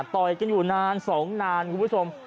ต่อยกันอยู่นาน๒นานคุณผู้ชม